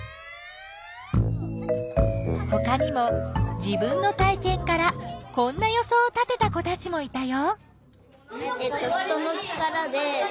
ほかにも自分の体験からこんな予想を立てた子たちもいたよ。